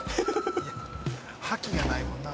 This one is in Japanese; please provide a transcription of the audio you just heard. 覇気がないもんな。